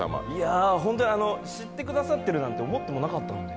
本当に知ってくださってるなんて思ってもなかったんで。